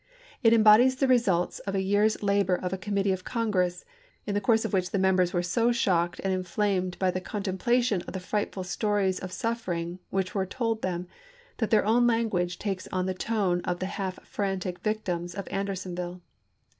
It embodies the result of a year's labor of a committee of Congress, in the course of which the members were so shocked and inflamed by the contemplation of the frightful stories of suffering which were told them that their own language takes on the tone of the half frantic vic tims of Andersonville.